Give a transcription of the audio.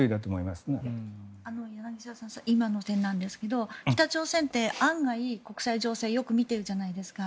柳澤さん、今の点ですが北朝鮮って案外、国際情勢をよく見てるじゃないですか。